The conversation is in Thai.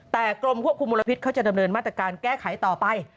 แต่กรมควบคุมมลพิษเขาจะดำเนินมาตรการแก้ไขต่อไป